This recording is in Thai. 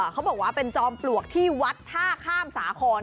เขาบอกว่าเป็นจอมปลวกที่วัดท่าข้ามสาคร